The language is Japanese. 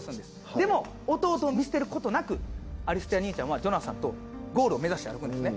でも弟を見捨てることなくアリステア兄ちゃんはジョナサンとゴールを目指して歩くんですね。